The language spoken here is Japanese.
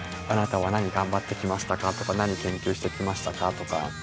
「あなたは何頑張ってきましたか？」とか「何研究してきましたか？」とか。